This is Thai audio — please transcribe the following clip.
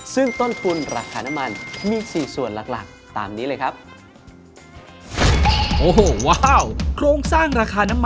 ซึ่งต้นทุนราคาน้ำมันมี๔ส่วนหลักตามนี้เลยครับ